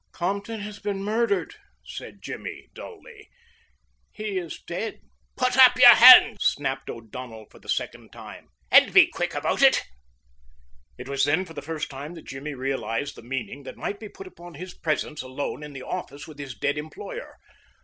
"Compton has been murdered," said Jimmy dully. "He is dead." "Put up your hands," snapped O'Donnell for the second time, "and be quick about it!" It was then for the first time that Jimmy realized the meaning that might be put upon his presence alone in the office with his dead employer.